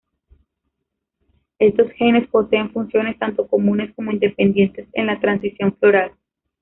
Estos genes poseen funciones tanto comunes como independientes en la transición floral.